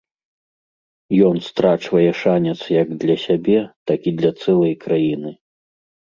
Ён страчвае шанец як для сябе, так і для цэлай краіны.